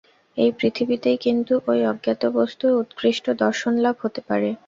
এই পৃথিবীতেই কিন্তু ঐ অজ্ঞাত বস্তুর উৎকৃষ্ট দর্শনলাভ হতে পারে।